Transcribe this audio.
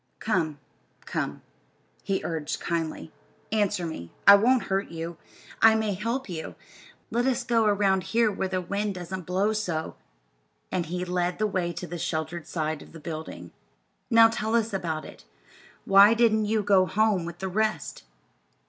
"Come, come," he urged kindly. "Answer me. I won't hurt you. I may help you. Let us go around here where the wind doesn't blow so." And he led the way to the sheltered side of the building. "Now tell us all about it. Why didn't you go home with the rest?"